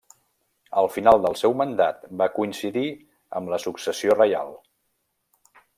El final del seu mandat va coincidir amb la successió reial.